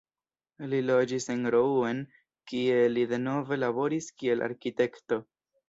Li loĝis en Rouen, kie li denove laboris kiel arkitekto.